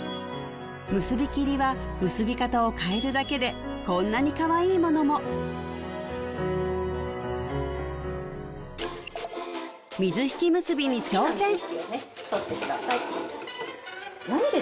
結び切りは結び方を変えるだけでこんなにかわいいものも水引結びに挑戦！